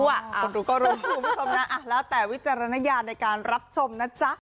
คนดูก็รู้คุณผู้ชมนะแล้วแต่วิจารณญาณในการรับชมนะจ๊ะ